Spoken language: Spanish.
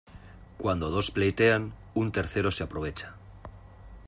Cuando dos pleitean un tercero se aprovecha.